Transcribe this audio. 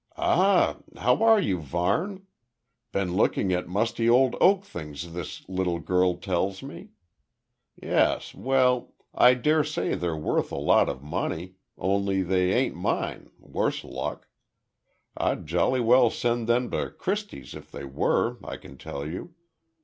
"Ah, how are you, Varne? Been looking at musty old oak things this little girl tells me. Yes, well I dare say they're worth a lot of money, only they ain't mine, worse luck. I'd jolly well send them to Christie's if they were, I can tell you.